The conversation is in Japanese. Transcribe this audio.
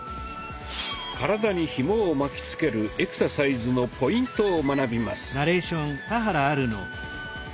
体にひもを巻きつけるエクササイズのポイントを学びます。